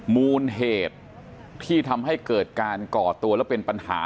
มูลเหตุที่ทำให้เกิดการก่อตัวและเป็นปัญหา